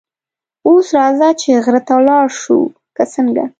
اوس راځه چې غره ته ولاړ شو، که څنګه؟